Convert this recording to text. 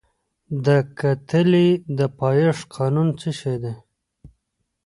د کتلې د پایښت قانون څه شی دی؟